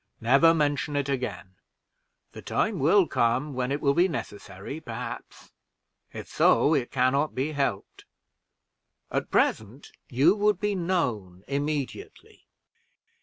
Never mention it again: the time will come when it will be necessary, perhaps; if so, it can not be helped. At present you would be known immediately.